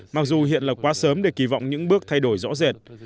mặc dù hiện là quá sớm để kỳ vọng những bước thay đổi rõ rệt